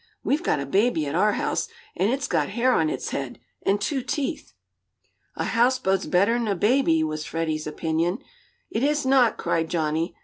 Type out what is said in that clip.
We've got a baby at our house, and it's got hair on its head, and two teeth!" "A houseboat's better'n a baby," was Freddie's opinion. "It is not!" cried Johnnie.